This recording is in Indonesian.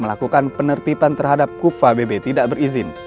melakukan penertiban terhadap kufa bb tidak berizin